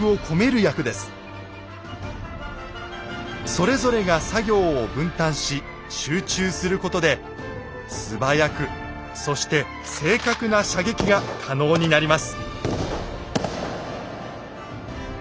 それぞれが作業を分担し集中することで素早くそして正確な射撃が可能になります。